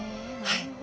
はい。